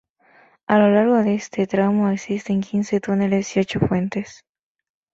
A lo largo de este tramo existen quince túneles y ocho puentes.